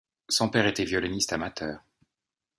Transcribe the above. Son père était violoniste amateur.